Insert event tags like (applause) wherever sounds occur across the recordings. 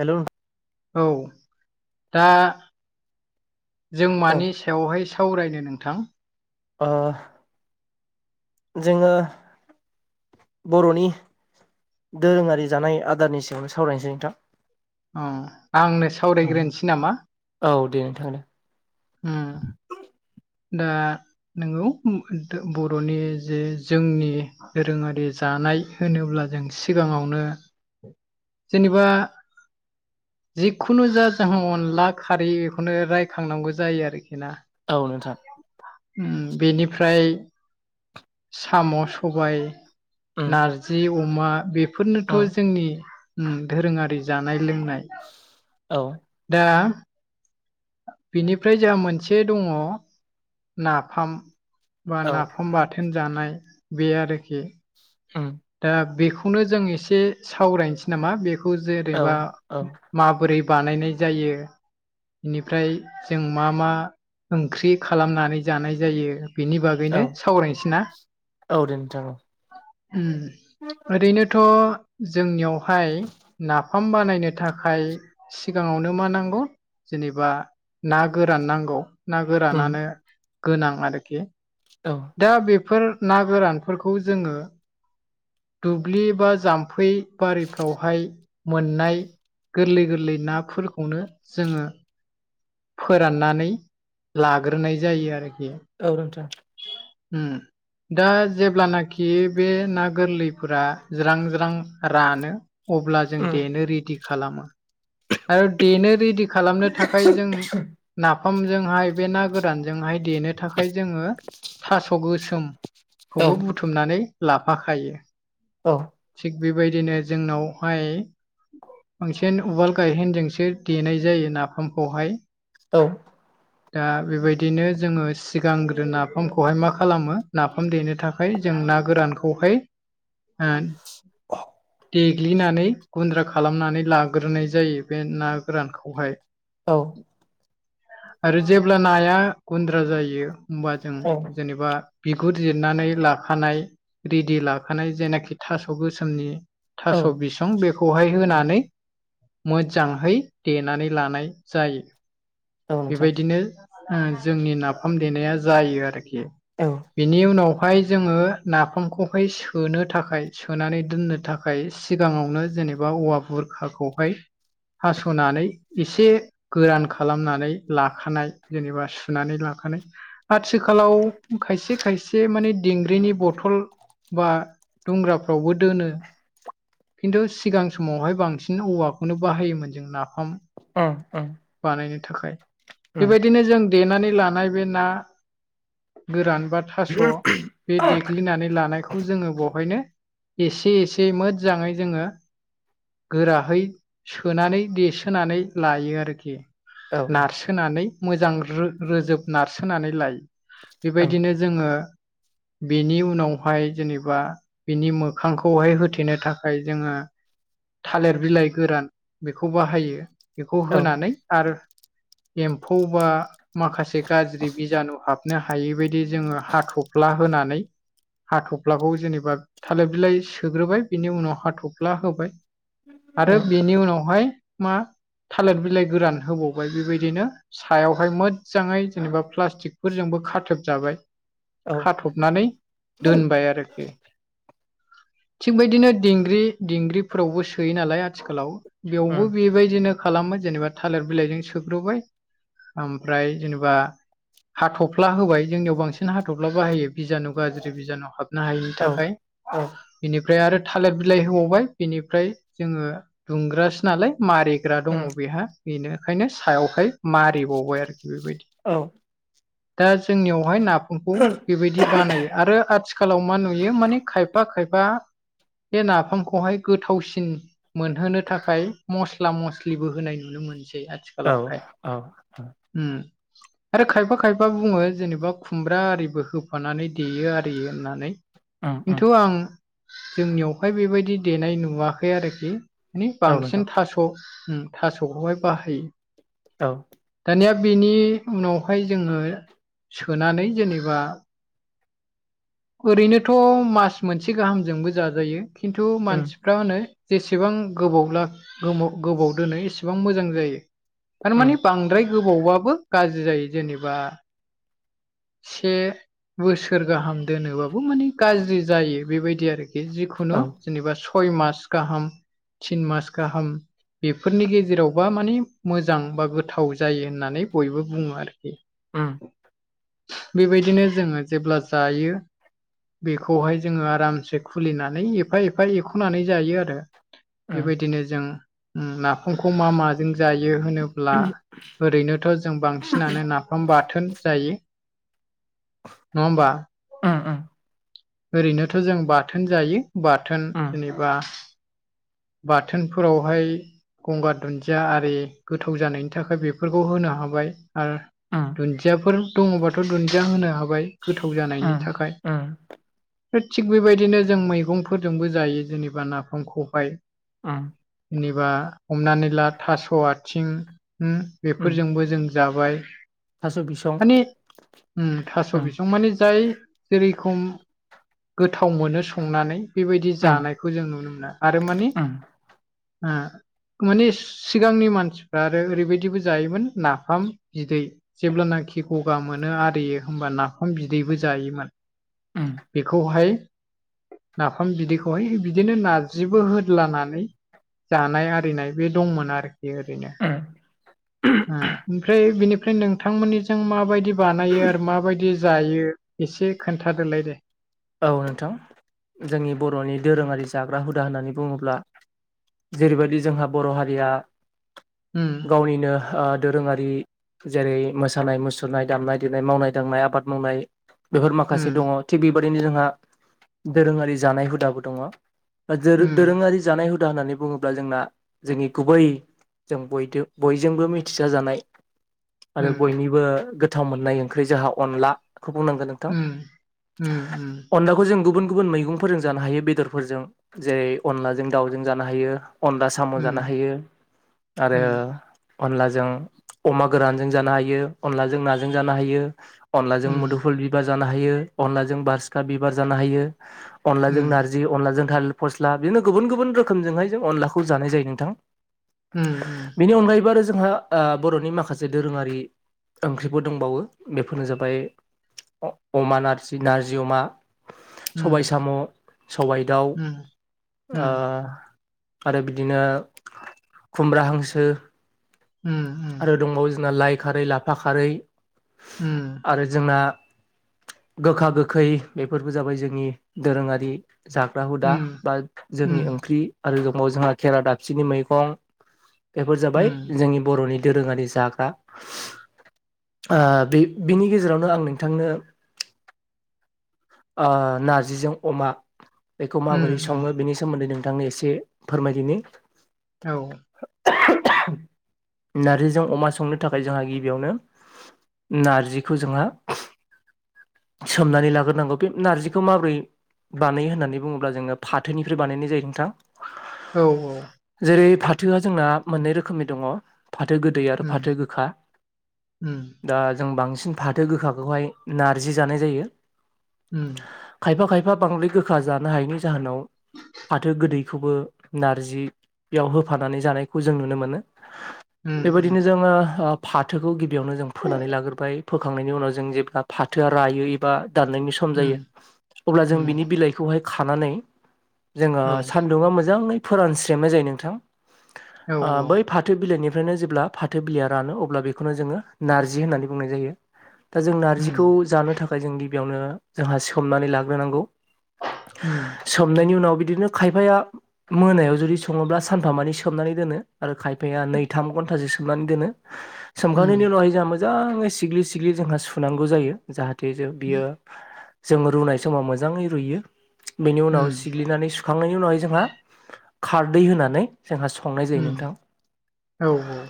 हेल' नों औ दा जों मानि सायावहाय सावरायनो नोंथां? ओ जोङो बर'नि दोरोङारि जानाय आदारनि सायावनो सावरायनोसै नोंथां। अ आंनो औ सावरायग्रोनोसै नामा? (unintelligible) उम। दा नोंगौ बर'नि जे जोंनि दोरोङारि जा जानाय होनोब्ला जों सिगाङावनो जेनेबा जिखुनु जा जोंहा अनला खारि बेखौनो रायखांनांगौ जायो आरोखि ना। औ नोंथां। उम बेनिफ्राय साम' सबाय उम नारजि अमा बेफोरनोथ' उम जोंनि उम दोरोङारि जानाय। लोंनाय। औ दा बिनिफ्राय जोंहा मोनसे दङ नाफाम। बा औ नाफाम बाथोन जानाय बे आरोखि उम दा बे खौनो जों एसे सावरायनोसै नामा बेखौ औ जेरैबा औ माबोरै बानायनाय जायो बेनिफ्राय जों मा मा ओंख्रि खालामनानै जानाय जायो बेनि औ बागैनो सावरायनोसै ना? औ दे नोंथां औ उम ओरैनोथ' जोंनियावहाय नाफाम बानायनो थाखाय सिगाङावनो मा नांगौ जेनेबा ना गोरान नांगौ ना उम गोरानानो गोनां आरोखि। औ दा बेफोर ना गोरानफोरखौ जोङो दुब्लि बा जाम्फै बारिफ्रावहाय मोननाय गोरलै गोरलै नाफोरखौनो जोङो फोराननानै लाग्रोनाय जायो आरोखि। औ नोंथां। हम। दा जेब्लानाखि बे ना गोरलैफोरा ज्रां ज्रां रानो। अब्ला जों उम देनो रेडि खालामो। आरो देनो रेडि खालामनो थाखाय जों नाफामजोंहाय बे ना गोरानजोंहाय देनो थाखाय जोङो थास' गोसोम औ खौबो बुथुमनानै लाफाखायो।। औ। थिग बेबायदिनो जोंनावहाय बांसिन उवाल गायहेनजोंसो देनाय जायो नाफामखौहाय। औ। दा बेबायदिनो जोङो सिगांग्रो नाफामखौहाय मा खालामो नाफाम देनो थाखाय जों जों ना गोरानखौहाय ओ (inaudible) देग्लिनानै गुन्द्रा खालामनानै लाग्रोनाय जायो बे ना गोरानखौहाय औ आरो जेब्ला नाया गुन्द्रा जायो होमबा जों जेनेबा बिगुर जिरनानै लाखानाय रेडि लाखानाय जेनाखि थास' गोसोमनि औ थास' बिसं बेखौहाय होनानै। मोजाङै देनानै लानाय जायो औ नोंथां बेबायदिनो। जोंनि नाफाम देनाया जायो आरोखि औ बेनि उनाव उनावहाय जोङो नाफामखौहाय सोनो थाखाय सोनानै दोननो थाखाय सिगाङावनो जे जेनेबा औवा बुरखाखौहाय हास'नानै एसे गोरान खालामनानै लाखानाय जेनेबा सुनानै लाखानाय आथिखालाव खायसे खायसे माने दिंग्रिनि बथल बा दुंग्राफ्रावबो दोनो खिन्थु सिगां समावहाय बांसिन औवाखौनो बाहायोमोन जों नाफाम ओम-ओम। बानायनो थाखाय बेबायदिनो जों देनानै लानाय बे ना गोरान। बा थास' बे औ देग्लिनानै लानायखौ जोङो बेवहायनो एसे एसे मोजाङै जोङो। गोराहै सोनानै देसोनानै लायो आरोखि। औ। नानै मोजां रोजोब नारसोनानै लायो औ बेबायदिनो जोङो बेनि उनावहाय जेनेबा बिनि मोखांखौहाय होथेनो थाखाय जोङो। थालिर बिलाइ गोरान बेखौ बाहायो बेखौ उम होनानै आरो एम्फौ बा माखासे गाज्रि बिजानु हाब नो हायिबायदि जोङो हाथ'फ्ला होनानै हाथ'फ्लाखौ जेनेबा थालिर बिलाइ सोग्रोबाय बिनि उनाव हाथ'फ्ला होबाय आरो औ बेनि उनावहाय मा? थालिर बिलाइ गोरान होबावबाय बेबायदिनो सायावहाय मोजाङै जेनेबा प्लास्टिकफोरजोंबो खाथबजाबाय उम औ खाथबनानै दोनबाय आरोखि। थिग बेबायदिनो दिंग्रि दिंग्रिफोरावबो सोयो नालाय आथिखालाव बेयावबो बेबायदिनो खालामो जेनेबा थालिर बिलाइजों सोग्रोबाय ओमफ्राय जेनेबा हाथफ्ला होबाय जोंनियाव बांसिन हाथ'फ्ला बाहायो बिजानु गाज्रि बिजानु हाब नो हायैनि थाखाय बेनिफ्राय आरो थालिर बिलाइ होबावबाय बेनिफ्राय जोङो दुंग्रासो नालाय मारिग्रा दङ बेहा बेनो ओंखायनो सायावहाय मारिबावबाय आरोखि बेबायदि। औ उम दा जोंनियावहाय ना नाफामखौ बेबायदि औ बानायो आरो आथिखालाव मा नुयो माने खायफा खायफा बा बे नाफामखौहाय गोथावसिन मोनहोनो थाखाय मस्ला मस्लिबो होनाय नुनो मोनसै। औ आथिखालावहाय औ उम। आरो खायफा खायफा बुङो जेनेबा खुमब्रा आरिबो होफानानै देयो आरियो होननानै। उम उम खिन्थु आं जोंनियावहाय बेबायदि देनाय नुवाखै आरोखि। माने औ नोंथां बांसिन थास' उम थास'खौहाय बाहायो। औ। दानिया बिनि उनावहाय जोङो सोनानै जेनेबा। ओरैनोथ' मास मोनसे गाहामजोंबो जाजायो खिन्थु उम मानसिफ्रा होनो। जेसेबां गोबावब्ला गोबाव-गोबाव दोनो एसेबां मोजां जायो। थारमाने उम बांद्राय गोबावबाबो गाज्रि जायो जेनेबा। से बोसोर गाहाम दोनोबाबो माने गाज्रि जायो बेबायदि आरोखि। जिखुनु औ जेनेबा सय मास गाहाम, थिन मास गाहाम। बेफोरनि गेजेरावबा माने मोजां बा गोथाव जायो होननानै बयबो बुङो आरो। उम बेबायदिनो जोङो जेब्ला जायो। बेखौहाय जोङो आरामसे खुलिनानै एफा-एफा एख'नानै जायो आरो। उम बेबायदिनो जों नाफामखौ मा माजों जायो। बियो होनोब्ला उम ओरैनोथ' जों बांसिनानो नाफाम बाथोन जायो। नङा होनबा? उम ओरैनोथ' जों बाथोन जायो बाथोन उम जेनेबा। बाथोनफोरावहाय। गंगार धुन्दिया आरि गोथाव जानायनि थाखाय बेफोरखौ होनो हाबाय। आरो धुन्दियाफोर दङबाथ' धुन्दिया होनो हाबा। हाबाय गोथाव जानायनि उम थाखाय। उम थिग बेबायदिनो जों मैगंफोरजोंबो जायो जेनेबा नाफाम खौहाय। उम। जेनेबा हमनानै ला थास' आथिं उम बेफोरजोंबो जों जाबाय। थास' बिसं माने उम थास' उम बिसं माने जाय। जेरैखम गोथाव मोनो संनानै। बेबायदि उम जानायखौ जों नुनो मोनो आरो माने। उम ओ। माने सिगांनि मानसिफ्रा आरो ओरैबायदिबो जायोमोन नाफाम बिदै जेब्लानाखि। खि गगा मोनो आरियो होमबा नाफाम बिदैबो जायोमोन। उम बेखौहाय नाफाम बिदैखौहाय बिदिनो नारजिबो हो‌। होलानानै जानाय आरिनाय बे दंमोन आरोखि ओरैनो। ओ-ओमफ्राय बेनिफ्राय नोंथांमोननिजों माबायदि बानायो आरो माबायदि जायो? एसे खोन्थादोलाय दे। औ नोंथां जोंनि बर'नि दोरोङारि जाग्रा हुदा होननानै बुङोब्ला। जेरैबायदि जोंहा बर' हारिया उम गावनिनो ओ। दोरोङारि जेरै मोसानाय-मुसुरनाय, दामनाय-देनाय, मावनाय-दांनाय, आबाद मावनाय। बेफोर उम माखासे दङ' थिग बेबायदिनो जोंहा दोरोङारि जानाय हुदाबो दङ'। उम दोरो-दोरोङारि जानाय हुदा होननानै बुङोब्ला जोंना जोंनि गुबै। जों बयजों-बयजोंबो मिथिसाथ जानाय। आरो बयनिबो गोथाव मोननाय ओंख्रि जाहा अनलाखौ बुंनांगोन नोंथां। ओम-ओम। गुबुन-गुबुन मैगंफोरजों जानो हायो बेदरफोरजों जेरै अनलाजों दाउजों जानो हायो। अनला साम' जानो उम हायो आरो। उम अनलाजों अमा गोरानजों जानो हायो अनलाजों नाजों जानो हायो। अनलाजों उम मुदुफुल बिबार जानो हायो अनलाजों बासिखा बिबार जानो हायो। अनलाजों उम नारजि, अनलाजों थाल। फस्ला बिदिनो गुबुन-गुबुन रोखोमजोंहाय जों अनलाखौ जानाय जायो नोंथां। उम उम बेनि अनगायैबो आरो। जोंहा ओ बर'नि माखासे दोरोङारि ओंख्रिफोर दंबावो बेफोरनो जाबाय। अमा नारजि, नारजि अमा। सबाय उम साम', सबाय दाउ उम ओ। औ आरो बिदिनो खुमब्रा हांसो। आरो दंबावो जोंना लाइ खारै, लाफा खारै आरो जोंना गोखा गोखै बेफोरबो जाबाय जोंनि दोरोङारि जाग्रा हुदा बा जोंनि ओंख्रि आरो ज जोंहा खेरा दाफिनि मैगं बेफोर जाबाय जोंनि बर'नि दोरोङारि जाग्रा। ओ बे बिनि गेजेरावनो आं नोंथांनो ओ नारजिजों अमा बेखौ माबोरै सङो बेनि सोमोन्दै नोंथांनो एसे फोरमायदिनि नार्जिजों अमा संनो थाखाय जोंहा गिबियावनो नारजिखौ जोंहा सोमनानै लाग्रोनांगौ बे नारजिखौ माबोरै बानायो होननानै बुङोब्ला जोङो फाथोनिफ्राय बानायनाय जायो नोंथां औ औ। जेरै फाथोआ जोंना मोननै रोखोमनि दङ। फाथो गोदै आरो फाथो गोखा दा जों बांसिन फाथो गोखाखौहाय नारजि जानाय जायो। खायफा खायफा बांद्राय गोखा जानो हायनि जाहोनाव फाथो गोदै खौबो नारजियाव होफानानै जानायखौ जों नुनो मोनो। बेबायदिनो जोङो फाथोखौ गिबियावनो जों फोनानै लाग्रोबाय। फोखांनायनि उनाव जों जेब्ला फाथोआ रायो एबा दाननायनि सम जायो अब्ला जों बिनि बिलाइखौहाय खानानै जोङो सानदुङा मोजाङै फोरानस्रेमनाय जायो नोंथां ओ बै फाथो बिलाइनि निफ्रायनो जेब्ला फाथो बिलिया रानो अब्ला बेखौनो जोङो नारजि होननानै बुंनाय जायो। दा जों नारजिखौ जानो थाखाय जों गिबियावनो जोंहा सिमनानै लाग्रोनांगौ। सोमनायनि उनाव बि बिदिनो खायफाया मोनायाव जुदि सङोब्ला सानफामानि सोमनानै दोनो आरो खायफाया नै एक घन्टासो सोमनानै दोनो। सोमखांनायनि उनावहाय जोंहा मो जाङै सिग्लि सिग्लि जोंहा सुनांगौ जायो जाहाथे जो बियो जों रुनाय समाव मोजाङै रुइयो बेनि उनाव सिग्लिनानै सुखांनायनि उनावहाय जोंहा खारदै होनानै जोंहा संनाय जायो नोंथां। औ औ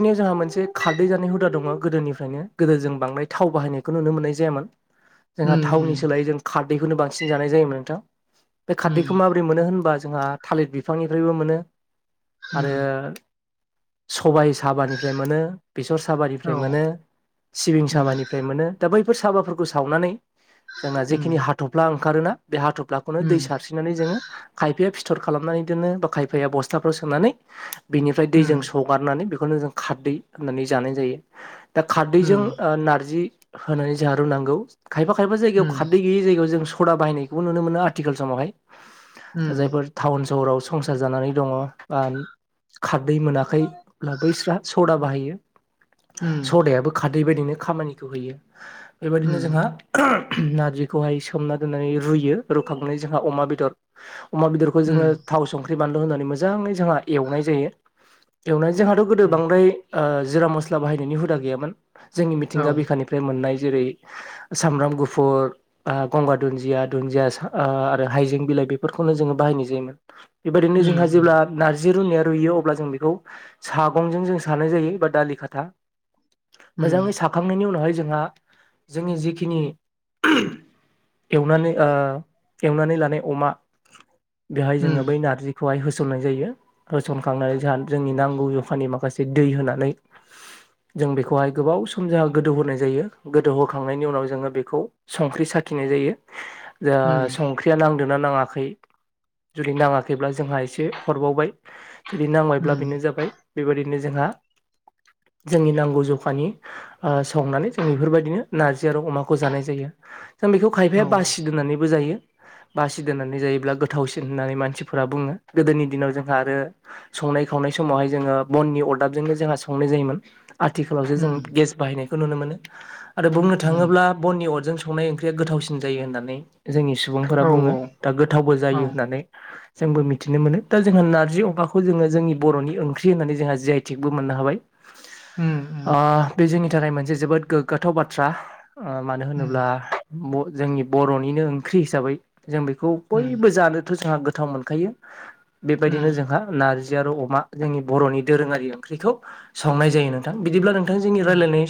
बेनियाव जोंहा मोनसे खारदै जानाय हुदा दङ गोदोनिफ्रायनो गोदो जों बांदाय थाव बाहायनायखौ नुनो मोननाय जायामोन। जोंहा थावनि सोलायै जों खारदैखौनो बांसिन जानाय जायोमोन नोंथां। बे खारदैखौ माबोरै मोनो होनबा जोंहा थालिर बिफांनिफ्रायबो मोनो आरो सबाइ साबानिफ्राय मोनो, बेसर साबानिफ्राय मोनो, सिबिं साबानिफ्राय मोनो दा बैफोर साबाफोरखौ सावनानै जोंना जेखिनि हाथ'फ्ला ओंखारोना बे हाथफ्लाखौनो दै सारस्रिनानै जोङो खायफाया फि थर खालामनानै दोनो बा खायफाया बस्थाफोराव सोनानै बेनिफ्राय दैजों सगारनानै बेखौनो जों खारदै होननानै जानाय जायो। दा खारदैजों ओ नारजि होनानै जोंहा रुनांगौ। खायफा खायफा जायगायाव खारदै गैयै जायगायाव जों सदा बाहायनायखौबो नुनो मोनो आथिखाल समावहाय। जायफोर टाउन सहराव संसार जानानै दङ आ खारदै मोनाखै बैस्रा सदा बाहायो। सदायाबो खारदै बायदिनो खामानि होयो। बेबायदिनो जोंहा ओ नार्जिखौहाय सोमना दोननानै रुयो रुखांनानै जोंहा अमा बेदर अमा बेदरखौ जोङो थाव संख्रि बानलु होनानै मोजाङै जोंहा एवनाय जायो एवनाय जोंहाथ' गोदो बांद्राय जिरा मस्ला बाहायनायनि हुदा गैयामोन जोंनि मिथिंगा बिखानिफ्राय मोननाय जेरै सामब्राम गुफुर, आ गंगार दुन्दिया, दुन्दिया ओ आरो हायजें बिलाइ बेफोरखौनो जोङो बाहायनाय जायोमोन। बेबायदिनो जोंहा जेब्ला नारजि रुनाया रुयो अ बेखौ सागंजों जों सानाय जायो बा दालि खाथा मोजाङै साखांनायनि उनावहाय जोंहा जोंनि जिखिनि ओ एवनानै ओ एवनानै लानाय अमा बेहाय जोङो बै नारजिखौहाय होसननाय जायो होसन खांनानै जाह जोंनि नांगौ जखानि माखासे दै होनानै जों बेखौहाय गोबाव सम जोंहा गोदौ होनाय जायो गोदौहोखांनायनि उनाव जोङो बेखौ संख्रि स साखिनाय जायो संख्रिया नांगौ न्दा नाङाखै जुदि नाङाखैब्ला जोंहा एसे हरबावबाय जुदि नांबायब्ला बेनो जाबाय बेबायादि जों जोंनि नांगौ जखानि सावनानै जों बेफोरबायदिनो न ख आरो अमाखौ जानाय जायो जों बेखौ खायफाया बासि दोननानैबो जायो बासि दोननानै जायोब्ला गोथावसिन होननानै मानसिफोरा बुङो गोदोनि दिनाव जोंहा आरो संनाय खावनाय समावहाय जोङो बननि अरदाबजोंनो जोंहा संनाय जायोमोन आथिखालावसो जों उम गेस बाहायनायखौ नुनो मोनो आरो बुंनो उम थाङोब्ला बननि अरजों संनाय ओंख्रिया गोथावसिन जायो होननानै जोंनि सुबुंफोरा औ बुङो दा गोथावबो औ जायो होननानै जोंबो मिथिनो मोनो दा जोंहा नार्जि अमाखौ जोङो जोंनि बर'नि ओंख्रि होननानै जोंहा जि आइ थटिकबो मोननो हाबाय उम उम बे जोंनि थाखाय मोनसे जोबोद गोग्गाथाव बाथ्रा मानो उम होनोब्ला जोंनि बर'निनो ओंख्रि हिसाबै जों बेखौ उम बयबो जानोथ' जोंहा गोथाव मोनखायो बेबायदिनो उम जोंहा नारि अ जोंनि बर'नि दोरोङारि ओंख्रिखौ सावनाय जायो नोंथां बिदिब्ला दा उम जोंनिायलायनाय